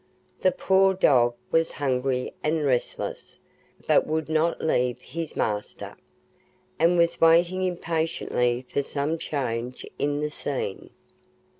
The poor dog was hungry and restless, but would not leave his master, and was waiting impatiently for some change in the scene.